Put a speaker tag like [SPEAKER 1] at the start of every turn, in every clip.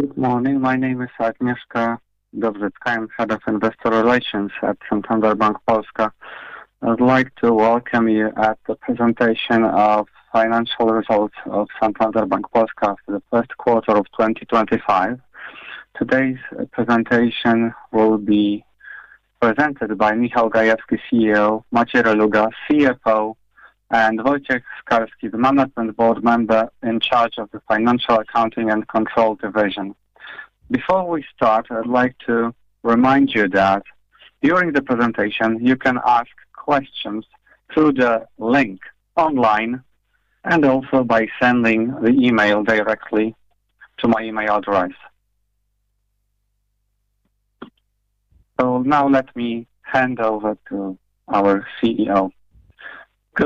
[SPEAKER 1] Good morning. My name is Agnieszka Dowżycka, I'm Head of Investor Relations at Santander Bank Polska. I'd like to welcome you at the presentation of financial results of Santander Bank Polska for the first quarter of 2025. Today's presentation will be presented by Michał Gajewski, CEO, Maciej Reluga, CFO, and Wojciech Skalski, the Management Board member in charge of the Financial Accounting and Control Division. Before we start, I'd like to remind you that during the presentation you can ask questions through the link online and also by sending the email directly to my email address. Now let me hand over to our CEO.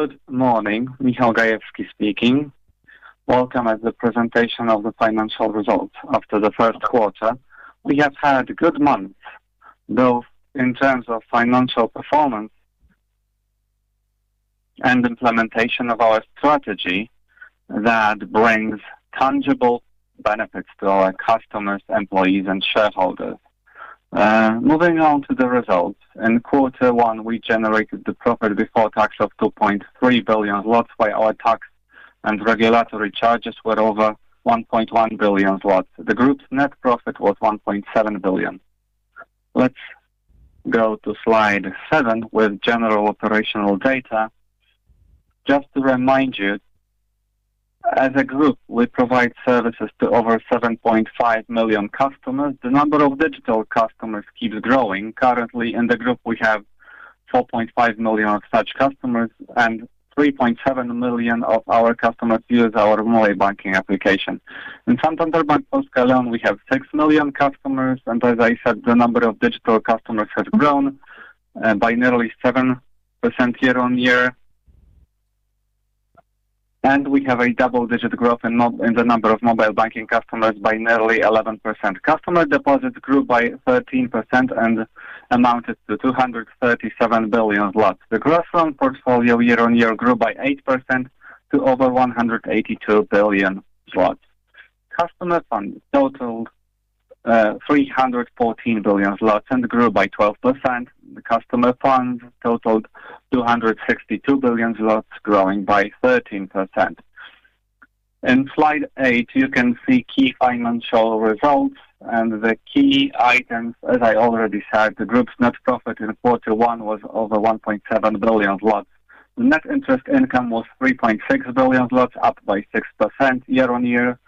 [SPEAKER 2] Good morning, Michał Gajewski speaking. Welcome at the presentation of the financial results after the first quarter. We have had good months, both in terms of financial performance and implementation of our strategy that brings tangible benefits to our customers, employees, and shareholders. Moving on to the results, in quarter one we generated the profit before tax of 2.3 billion, while our tax and regulatory charges were over 1.1 billion. The group's net profit was 1.7 billion. Let's go to slide seven with general operational data. Just to remind you, as a group we provide services to over 7.5 million customers. The number of digital customers keeps growing. Currently, in the group we have 4.5 million such customers, and 3.7 million of our customers use our mobile banking application. In Santander Bank Polska alone, we have six million customers, and as I said, the number of digital customers has grown by nearly 7% year on year. We have a double-digit growth in the number of mobile banking customers, by nearly 11%. Customer deposits grew by 13% and amounted to 237 billion. The gross loan portfolio year on year grew by 8% to over 182 billion zlotys. Customer funds totaled 314 billion zlotys and grew by 12%. The customer funds totaled 262 billion zlotys, growing by 13%. In slide eight you can see key financial results and the key items. As I already said, the group's net profit in quarter one was over 1.7 billion. The net interest income was 3.6 billion, up by 6% year on year.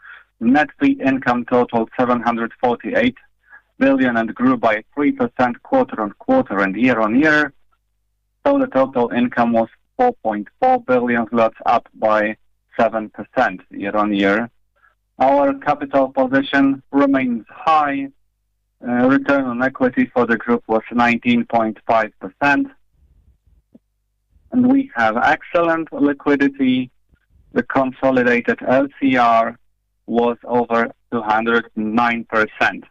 [SPEAKER 2] Net fee income totaled 748 million and grew by 3% quarter on quarter and year on year. The total income was 4.4 billion, up by 7% year on year. Our capital position remains high. Return on equity for the group was 19.5%, and we have excellent liquidity. The consolidated LCR was over 209%.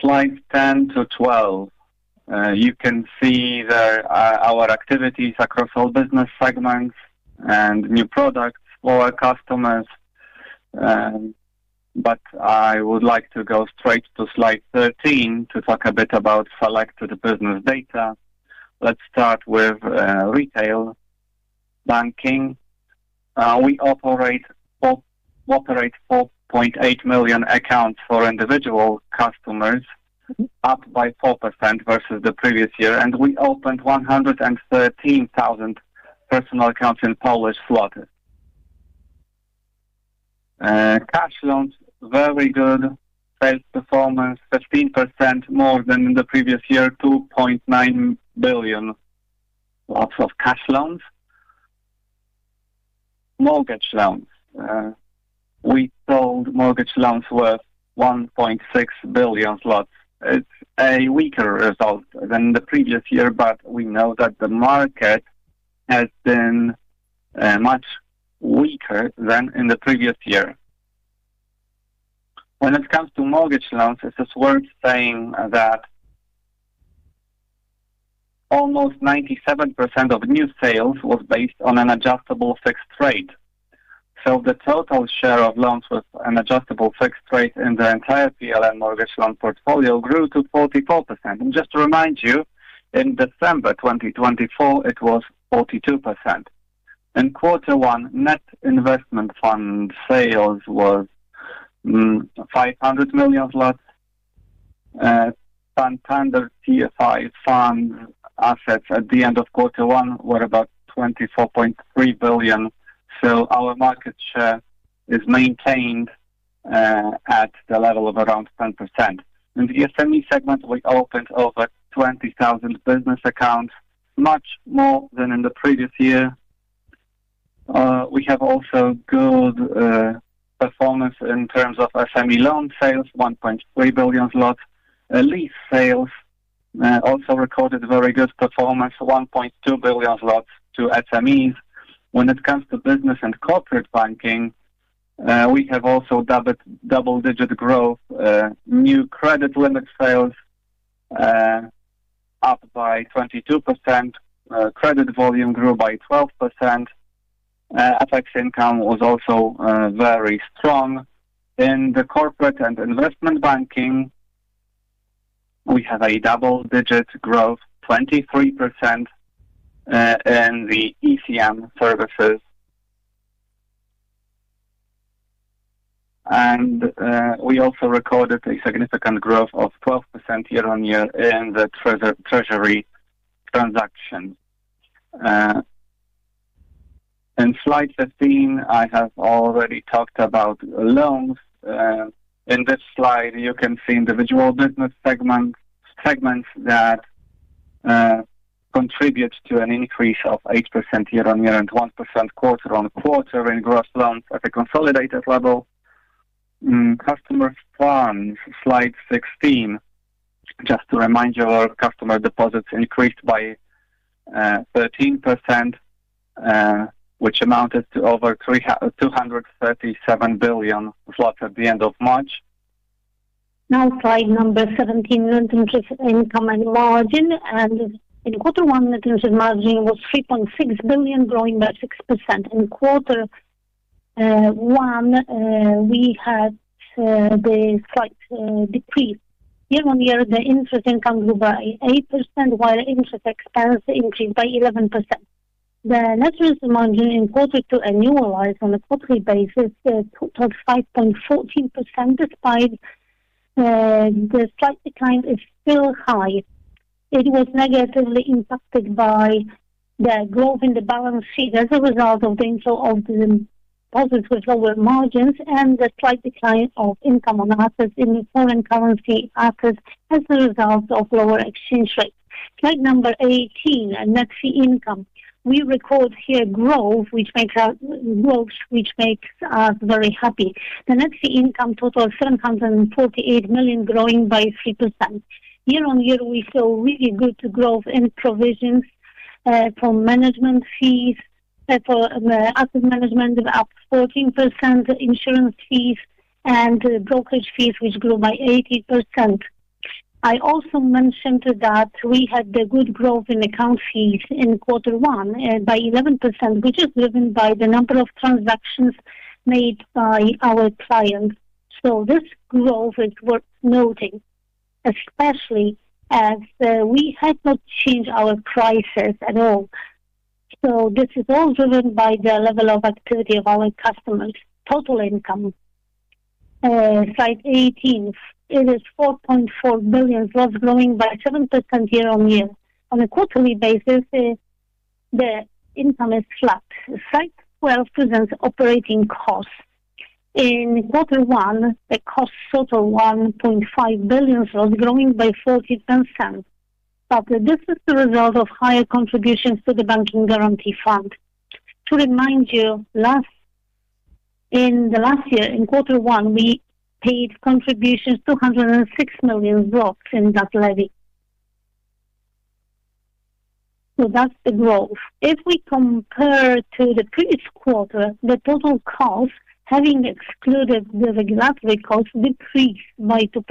[SPEAKER 2] Slide 10 to 12, you can see there are our activities across all business segments and new products for our customers. I would like to go straight to slide 13 to talk a bit about selected business data. Let's start with retail banking. We operate 4.8 million accounts for individual customers, up by 4% versus the previous year, and we opened 113,000 personal accounts in PLN. Cash loans, very good sales performance, 15% more than in the previous year, 2.9 billion of cash loans. Mortgage loans, we sold mortgage loans worth 1.6 billion zlotys. It's a weaker result than the previous year, but we know that the market has been much weaker than in the previous year. When it comes to mortgage loans, it is worth saying that almost 97% of new sales was based on an adjustable fixed rate. The total share of loans with an adjustable fixed rate in the entire PLN mortgage loan portfolio grew to 44%. Just to remind you, in December 2024 it was 42%. In quarter one, net investment fund sales was 500 million. Santander TFI fund assets at the end of quarter one were about 24.3 billion. Our market share is maintained at the level of around 10%. In the SME segment, we opened over 20,000 business accounts, much more than in the previous year. We have also good performance in terms of SME loan sales, 1.3 billion zloty. Lease sales also recorded very good performance, 1.2 billion zloty to SMEs. When it comes to business and corporate banking, we have also double-digit growth. New credit limit sales up by 22%. Credit volume grew by 12%. FX income was also very strong. In the corporate and investment banking, we have a double-digit growth, 23%, in the ECM services. We also recorded a significant growth of 12% year on year in the treasury transactions. In slide 15, I have already talked about loans. In this slide, you can see individual business segments that contribute to an increase of 8% year on year and 1% quarter on quarter in gross loans at a consolidated level. Customer funds, slide 16, just to remind you, our customer deposits increased by 13%, which amounted to over 237 billion zloty at the end of March.
[SPEAKER 3] Now slide number 17, net interest income and margin. In quarter one, net interest income was 3.6 billion, growing by 6%. In quarter one, we had the slight decrease. Year on year, the interest income grew by 8%, while interest expense increased by 11%. The net interest margin in quarter two annualized on a quarterly basis totaled 5.14%, despite the slight decline is still high. It was negatively impacted by the growth in the balance sheet as a result of the inflow of the deposits with lower margins and the slight decline of income on assets in the foreign currency assets as a result of lower exchange rates. Slide number 18, net fee income. We record here growth, which makes us very happy. The net fee income totaled 748 million, growing by 3%. Year on year, we saw really good growth in provisions for management fees, asset management up 14%, insurance fees, and brokerage fees, which grew by 80%. I also mentioned that we had good growth in account fees in quarter one by 11%, which is driven by the number of transactions made by our clients. This growth is worth noting, especially as we had not changed our prices at all. This is all driven by the level of activity of our customers. Total income, slide 18, it is 4.4 billion, growing by 7% year on year. On a quarterly basis, the income is flat. Slide 12 presents operating costs. In quarter one, the cost totaled 1.5 billion, growing by 40%. This is the result of higher contributions to the Bank Guarantee Fund. To remind you, in the last year, in quarter one, we paid contributions of PLN 206 million in that levy. That is the growth. If we compare to the previous quarter, the total cost, having excluded the regulatory cost, decreased by 2%.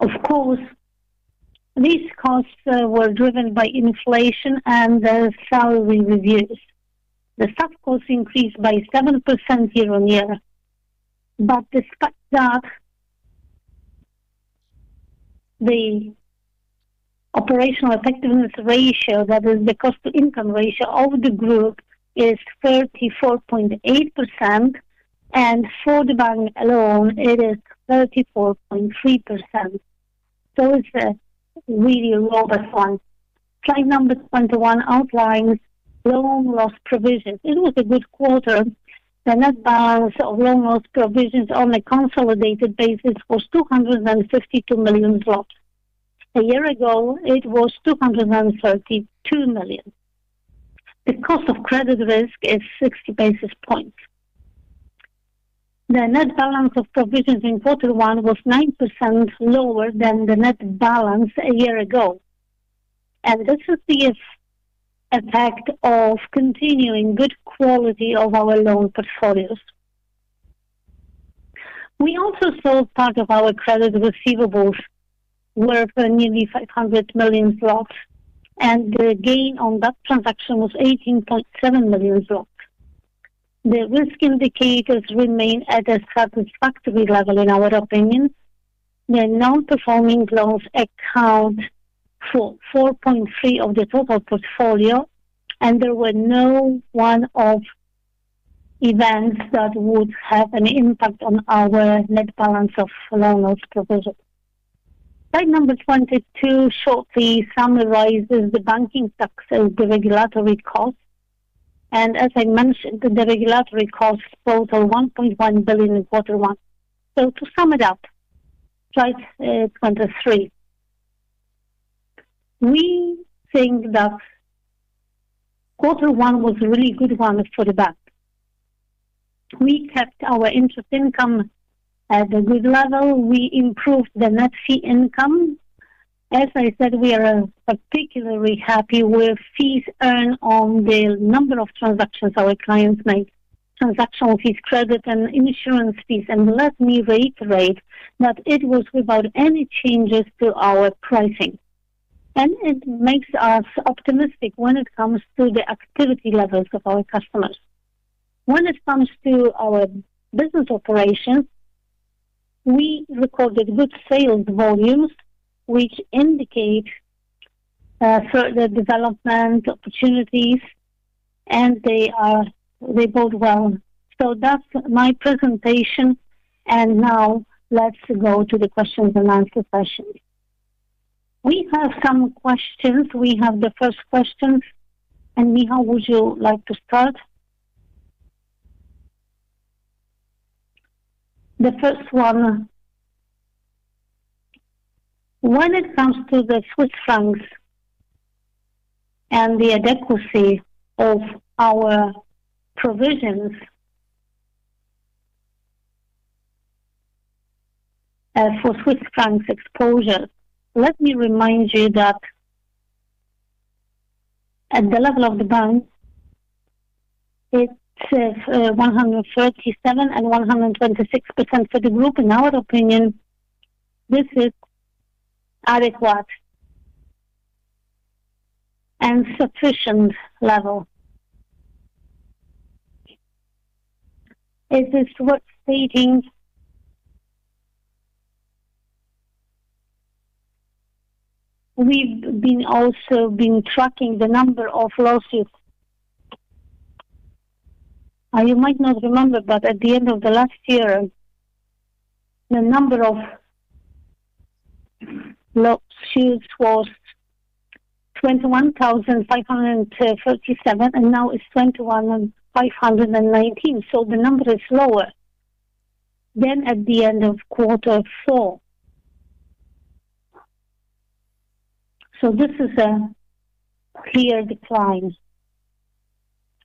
[SPEAKER 3] Of course, these costs were driven by inflation and salary reviews. The staff costs increased by 7% year on year. Despite that, the operational effectiveness ratio, that is, the cost-to-income ratio of the group, is 34.8%, and for the bank alone, it is 34.3%. It is a really robust one. Slide number 21 outlines loan loss provisions. It was a good quarter. The net balance of loan loss provisions on a consolidated basis was 252 million. A year ago, it was 232 million. The cost of credit risk is 60 basis points. The net balance of provisions in quarter one was 9% lower than the net balance a year ago. This is the effect of continuing good quality of our loan portfolios. We also saw part of our credit receivables worth nearly 500 million, and the gain on that transaction was 18.7 million. The risk indicators remain at a satisfactory level, in our opinion. The non-performing loans account for 4.3% of the total portfolio, and there were no one-off events that would have an impact on our net balance of loan loss provisions. Slide number 22 shortly summarizes the banking taxes and the regulatory costs. As I mentioned, the regulatory costs totaled 1.1 billion in quarter one. To sum it up, slide 23, we think that quarter one was a really good one for the bank. We kept our interest income at a good level. We improved the net fee income. As I said, we are particularly happy with fees earned on the number of transactions our clients made, transactional fees, credit, and insurance fees. Let me reiterate that it was without any changes to our pricing. It makes us optimistic when it comes to the activity levels of our customers. When it comes to our business operations, we recorded good sales volumes, which indicate further development opportunities, and they bode well. That is my presentation. Now let's go to the questions and answer session. We have some questions. We have the first question. Michał, would you like to start? The first one, when it comes to the Swiss franc loans and the adequacy of our provisions for Swiss franc loans exposure, let me remind you that at the level of the bank, it is 137% and 126% for the group. In our opinion, this is adequate and sufficient level. It is worth stating we've also been tracking the number of lawsuits. You might not remember, but at the end of the last year, the number of lawsuits was 21,537, and now it's 21,519. The number is lower than at the end of quarter four. This is a clear decline.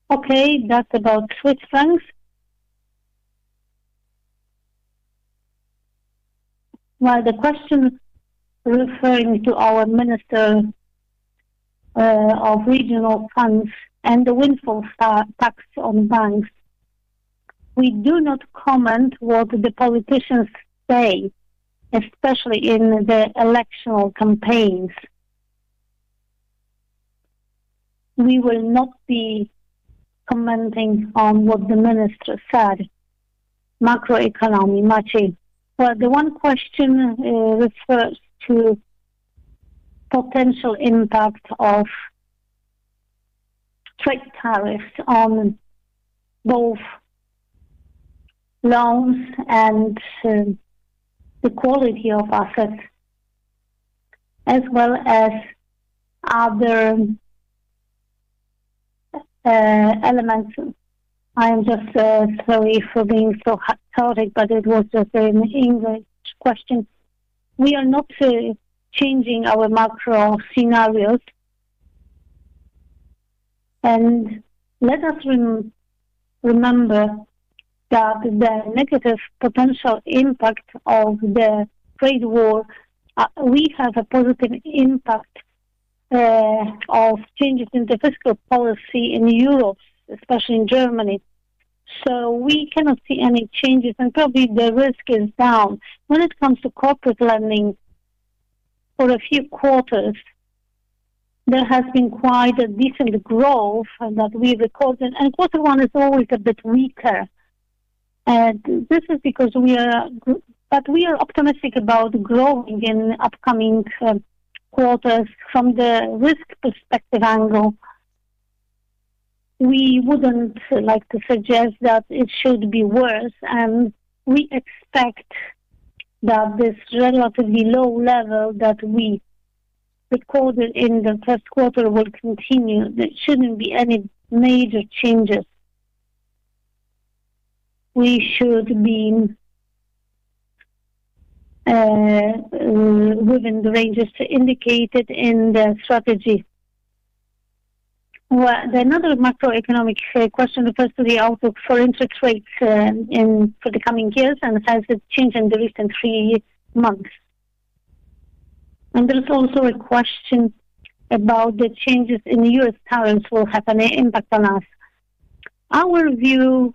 [SPEAKER 3] That's about Swiss francs. Now, the question referring to our Minister of Regional Funds and the windfall tax on banks, we do not comment what the politicians say, especially in the electional campaigns. We will not be commenting on what the minister said. Macroeconomy, Maciej. The one question refers to potential impact of trade tariffs on both loans and the quality of assets, as well as other elements. I am just sorry for being so chaotic, but it was just an English question. We are not changing our macro scenarios. Let us remember that the negative potential impact of the trade war, we have a positive impact of changes in the fiscal policy in Europe, especially in Germany. We cannot see any changes, and probably the risk is down. When it comes to corporate lending for a few quarters, there has been quite a decent growth that we recorded and quarter one is always a bit weaker. This is because we are optimistic about growing in upcoming quarters. From the risk perspective angle, we wouldn't like to suggest that it should be worse. We expect that this relatively low level that we recorded in the first quarter will continue. There shouldn't be any major changes. We should be within the ranges indicated in the strategy. Another macroeconomic question refers to the outlook for interest rates for the coming years and has a change in the recent three months. There is also a question about the changes in U.S. tariffs will have an impact on us. Our view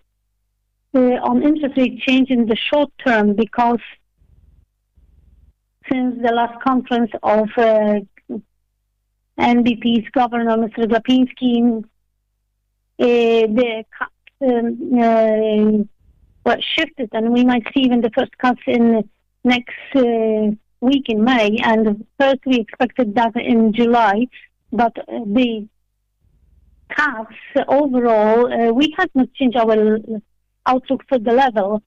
[SPEAKER 3] on interest rate change in the short term, because since the last conference of NBP's Governor, Mr. Glapiński, the cap shifted, and we might see even the first cuts in next week in May. First, we expected that in July, but the cuts overall, we have not changed our outlook for the level.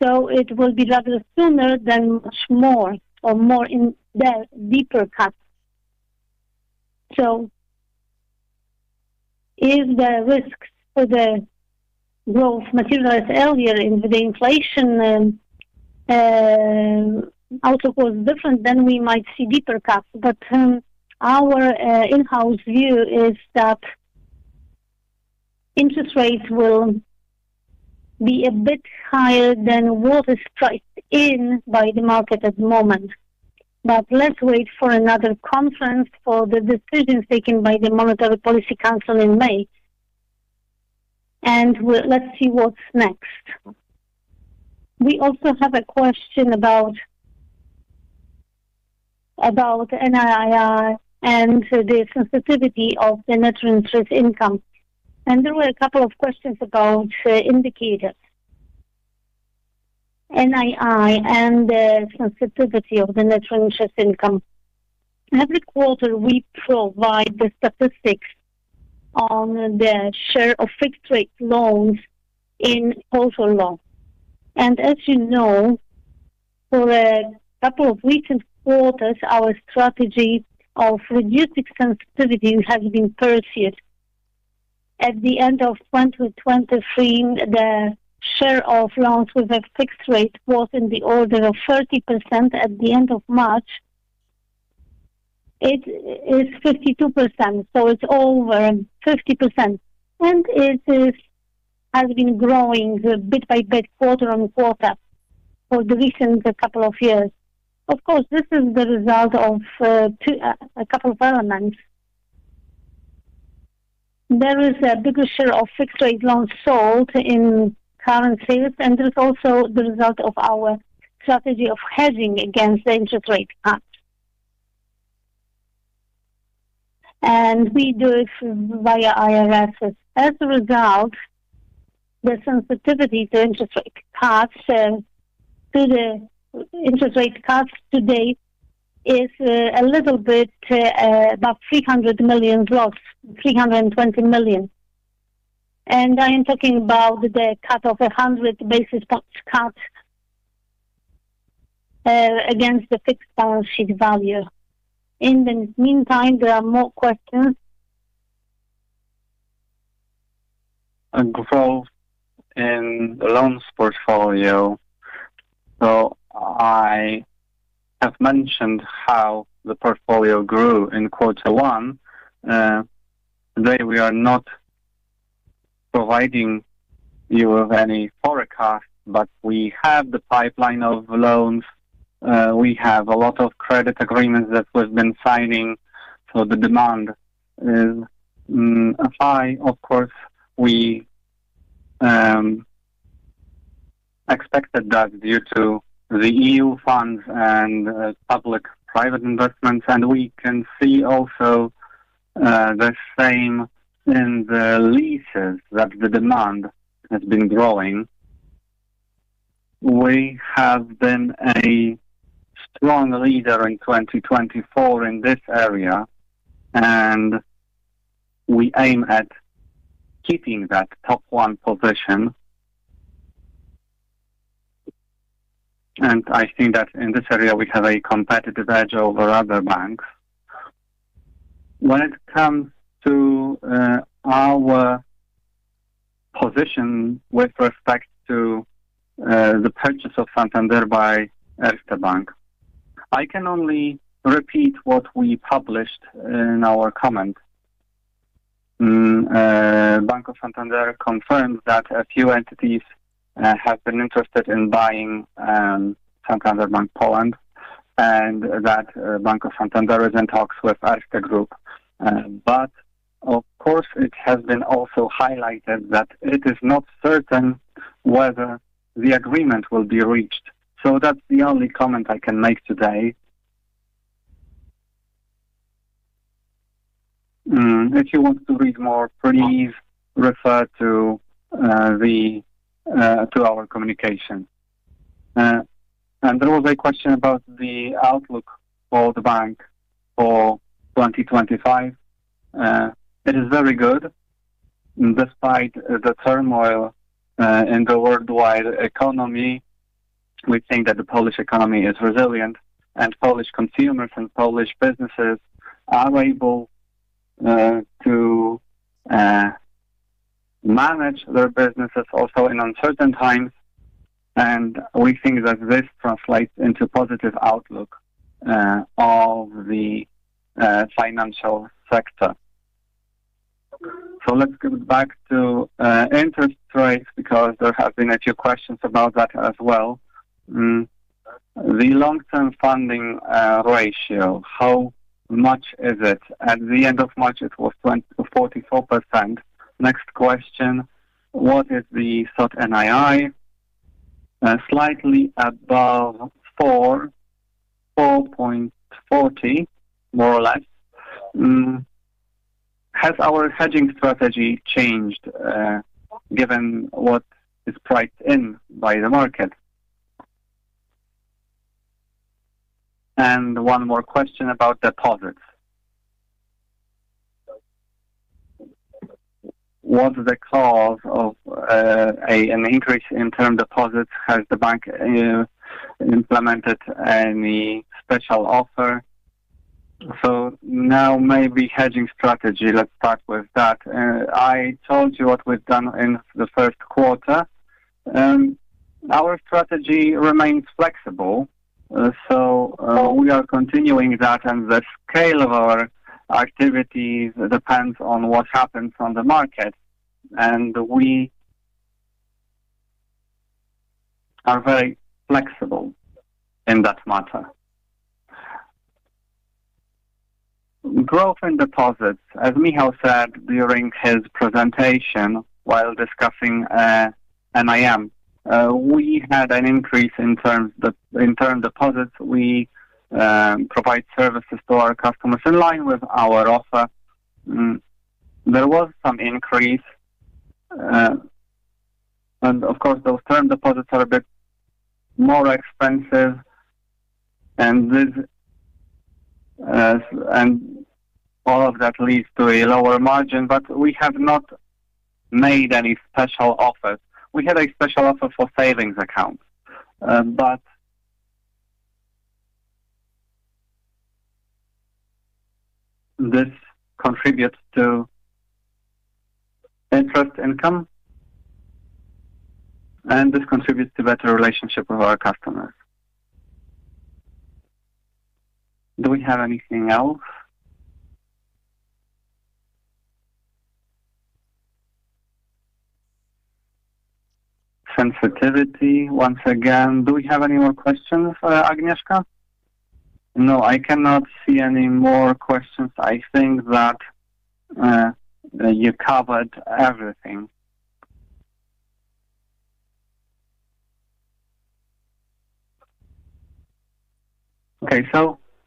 [SPEAKER 3] It will be rather sooner than much more or more deeper cuts. If the risks for the growth materialize earlier and the inflation outlook was different, then we might see deeper cuts. Our in-house view is that interest rates will be a bit higher than what is priced in by the market at the moment. Let's wait for another conference for the decisions taken by the Monetary Policy Council in May. Let's see what's next. We also have a question about NII and the sensitivity of the net interest income. There were a couple of questions about indicators, NII and the sensitivity of the net interest income. Every quarter, we provide the statistics on the share of fixed-rate loans in total loans. As you know, for a couple of recent quarters, our strategy of reducing sensitivity has been pursued. At the end of 2023, the share of loans with a fixed rate was in the order of 30%. At the end of March, it is 52%. It is over 50%. It has been growing bit by bit, quarter on quarter, for the recent couple of years. Of course, this is the result of a couple of elements. There is a bigger share of fixed-rate loans sold in current sales, and there is also the result of our strategy of hedging against the interest rate cuts. We do it via IRS. As a result, the sensitivity to interest rate cuts today is a little bit about 300 million-320 million. I am talking about the cut of 100 basis points cut against the fixed balance sheet value. In the meantime, there are more questions.
[SPEAKER 2] Growth in the loans portfolio. I have mentioned how the portfolio grew in quarter one. Today, we are not providing you with any forecast, but we have the pipeline of loans. We have a lot of credit agreements that we've been signing, so the demand is high. Of course, we expected that due to the EU funds and public-private investments. We can see also the same in the leases that the demand has been growing. We have been a strong leader in 2024 in this area, and we aim at keeping that top-one position. I think that in this area, we have a competitive edge over other banks. When it comes to our position with respect to the purchase of Santander by Erste Group, I can only repeat what we published in our comment. Banco Santander confirmed that a few entities have been interested in buying Santander Bank Polska, and that Banco Santander is in talks with Erste Group. Of course, it has been also highlighted that it is not certain whether the agreement will be reached. That is the only comment I can make today. If you want to read more, please refer to our communication. There was a question about the outlook for the bank for 2025. It is very good. Despite the turmoil in the worldwide economy, we think that the Polish economy is resilient, and Polish consumers and Polish businesses are able to manage their businesses also in uncertain times. We think that this translates into a positive outlook of the financial sector.
[SPEAKER 1] Let's get back to interest rates because there have been a few questions about that as well. The long-term funding ratio, how much is it? At the end of March, it was 44%. Next question, what is the sought NII? Slightly above 4, 4.40, more or less. Has our hedging strategy changed given what is priced in by the market? One more question about deposits. What's the cause of an increase in term deposits? Has the bank implemented any special offer?
[SPEAKER 2] Maybe hedging strategy, let's start with that. I told you what we've done in the first quarter. Our strategy remains flexible, so we are continuing that, and the scale of our activities depends on what happens on the market. We are very flexible in that matter.
[SPEAKER 1] Growth in deposits. As Michał said during his presentation while discussing NIM, we had an increase in term deposits. We provide services to our customers in line with our offer.
[SPEAKER 2] There was some increase. Of course, those term deposits are a bit more expensive. All of that leads to a lower margin, but we have not made any special offers. We had a special offer for savings accounts, but this contributes to interest income, and this contributes to better relationships with our customers. Do we have anything else? Sensitivity, once again. Do we have any more questions, Agnieszka?
[SPEAKER 1] No, I cannot see any more questions. I think that you covered everything.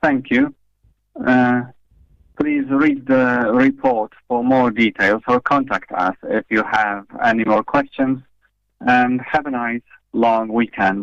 [SPEAKER 1] Thank you. Please read the report for more details or contact us if you have any more questions. Have a nice long weekend.